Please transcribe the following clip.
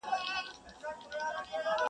خلک وه ډېر وه په عذاب له کفن کښه٫